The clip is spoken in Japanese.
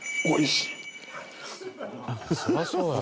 そりゃそうやろ。